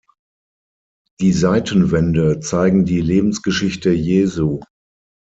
Die Seitenwände zeigen die Lebensgeschichte Jesu.